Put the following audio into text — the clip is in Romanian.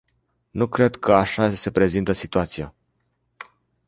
Nu cred că așa se prezintă situația.